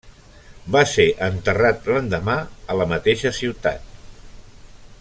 Va ser enterrat l'endemà a la mateixa ciutat.